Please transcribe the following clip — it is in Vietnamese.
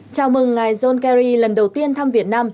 chào mừng ngài john kerry lần đầu tiên thăm việt nam